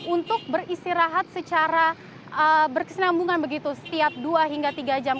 untuk beristirahat secara berkesinambungan begitu setiap dua hingga tiga jam